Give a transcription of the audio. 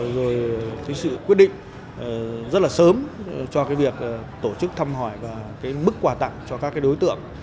rồi sự quyết định rất là sớm cho việc tổ chức thăm hỏi và mức quà tặng cho các đối tượng